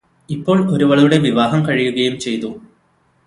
ഇപ്പോൾ ഒരുവളുടെ വിവാഹം കഴിയുകയും ചെയ്തു